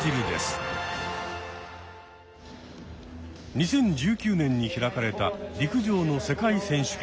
２０１９年に開かれた陸上の世界選手権。